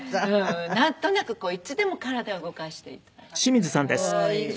なんとなくいつでも体を動かしていたい。